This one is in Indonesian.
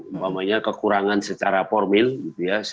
umpamanya kekurangan secara formil gitu ya